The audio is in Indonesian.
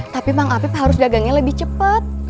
tapi bang apip harus dagangnya lebih cepat